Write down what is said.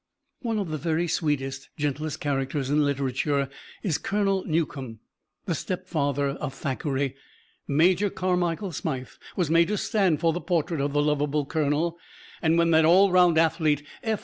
One of the very sweetest, gentlest characters in literature is Colonel Newcome. The stepfather of Thackeray, Major Carmichael Smyth, was made to stand for the portrait of the lovable Colonel; and when that all round athlete, F.